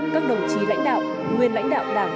các đồng chí lãnh đạo nguyên lãnh đạo đảng